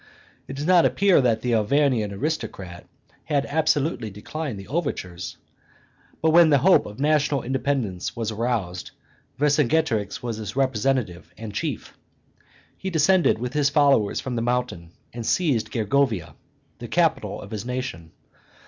It does not appear that the Arvernian aristocrat had absolutely declined the overtures; but when the hope of national independence was aroused, Vercingetorix was its representative and chief. He descended with his followers from the mountain, and seized Gergovia, the capital of his nation.